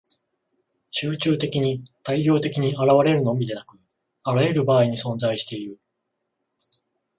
集中的に大量的に現れるのみでなく、あらゆる場合に存在している。